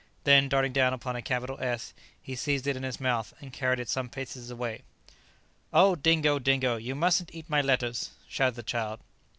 Then darting down upon a capital S, he seized it in his mouth, and carried it some paces away. "Oh, Dingo, Dingo! you mustn't eat my letters!" shouted the child.